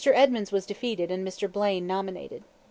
Edmunds was defeated and Mr. Blaine nominated.